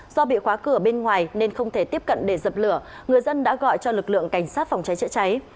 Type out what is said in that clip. do bị khóa cửa bên ngoài nên không thể tiếp cận để dập lửa người dân đã gọi cho lực lượng cảnh sát phòng cháy chữa cháy